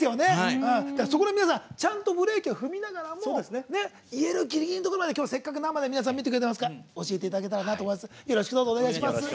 そこで皆さん、ちゃんとブレーキを踏みながらも言えるギリギリのところまで皆さん見てくれてますから教えていただけたらなと思います。